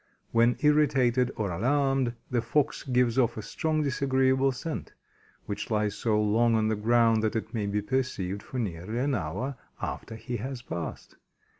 When irritated or alarmed, the Fox gives off a strong, disagreeable scent, which lies so long on the ground that it may be perceived for nearly an hour after he has passed.